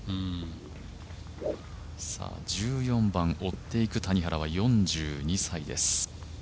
１４番追っていく谷原は４２歳です。